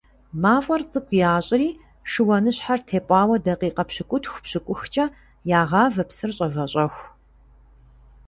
Мафӏэр цӏыкӏу ящӏри шыуаныщхьэр тепӏауэ дакъикъэ пщыкӏутху - пщыкӏухкӏэ ягъавэ псыр щӏэвэщӏэху.